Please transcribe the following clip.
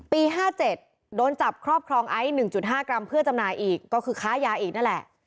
๕๗โดนจับครอบครองไอซ์๑๕กรัมเพื่อจำหน่ายอีกก็คือค้ายาอีกนั่นแหละ